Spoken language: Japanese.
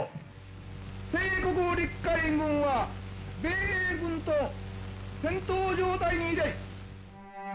帝国陸海軍は米英軍と戦闘状態に入れり」。